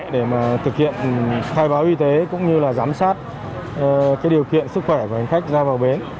để mà thực hiện khai báo y tế cũng như là giám sát điều kiện sức khỏe của hành khách ra vào bến